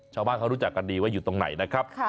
ชาวบ้านเขารู้จักกันดีว่าอยู่ตรงไหนนะครับ